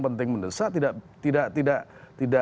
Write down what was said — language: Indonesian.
penting mendesak tidak